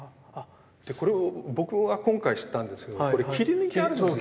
でこれを僕は今回知ったんですけどこれ切り抜いてあるんですよね。